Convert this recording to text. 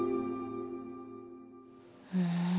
うん。